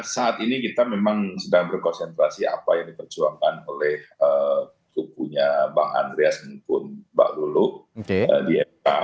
saat ini kita memang sedang berkonsentrasi apa yang diperjuangkan oleh kupunya bang andreas maupun mbak lulu di mk